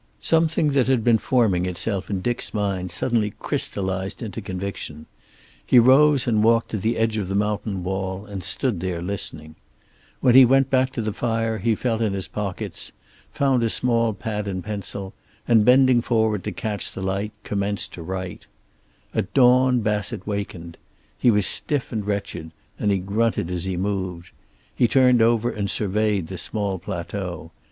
Something that had been forming itself in Dick's mind suddenly crystallized into conviction. He rose and walked to the edge of the mountain wall and stood there listening. When he went back to the fire he felt in his pockets, found a small pad and pencil, and bending forward to catch the light, commenced to write... At dawn Bassett wakened. He was stiff and wretched, and he grunted as he moved. He turned over and surveyed the small plateau.